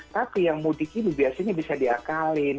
tapi yang mudik ini biasanya bisa diakalin